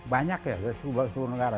banyak ya dari sebuah negara